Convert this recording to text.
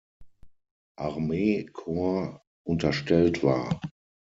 Armee-Korps unterstellt war.